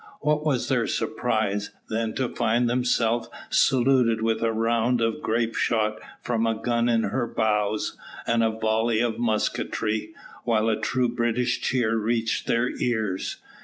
What was their surprise, then, to find themselves saluted with a round of grape shot from a gun in her bows, and a volley of musketry, while a true British cheer reached their ears.